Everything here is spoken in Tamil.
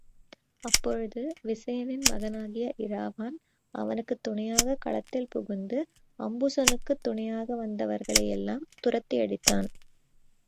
அப்பொழுது விசயனின் மகனாகிய இராவான் அவனுக்குத் துணையாகக் களத்தில் புகுந்து அம்புசனுக்குத் துணையாக வந்தவர்களை எல்லாம் துரத்தி அடித்தான்.